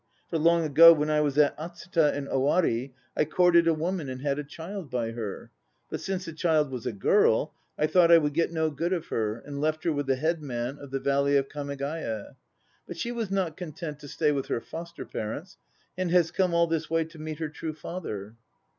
For long ago when I was at Atsuta in Owari I courted a woman and had a child by her. But since the child was a girl, I thought I would get no good of her and left her with the head man of the valley of Kamegaye. But she was not content to stay with her foster parents and has come all this way to meet her true father.